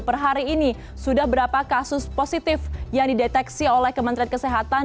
per hari ini sudah berapa kasus positif yang dideteksi oleh kementerian kesehatan